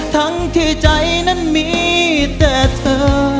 ทั้งที่ใจนั้นมีแต่เธอ